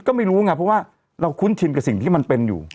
ก็ไม่รู้ไงเพราะว่าเราคุ้นชินกับสิ่งที่มันเป็นอยู่